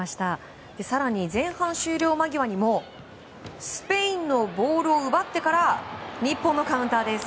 更に前半終了間際にもスペインのボールを奪ってから日本のカウンターです。